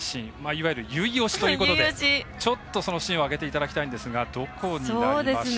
いわゆる結実推しということでそのシーンを挙げていただきたいんですがどこになりましたか？